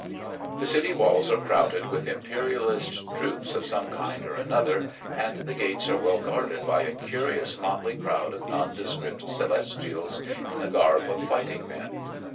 The city walls are crowded with Imperialist troops of some kind or another, and the gates are well guarded by a curious motley crowd of nondescript Celestials in the garb of fighting men.